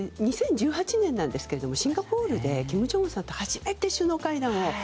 ２０１８年なんですけどシンガポールで金正恩さんと初めて首脳会談を。